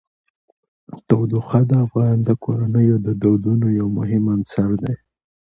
تودوخه د افغان کورنیو د دودونو یو مهم عنصر دی.